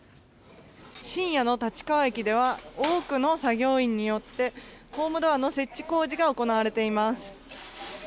深夜の立川駅では多くの作業員によってホームドアの設置工事が行われています。